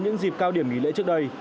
những dịp cao điểm nghỉ lễ trước đây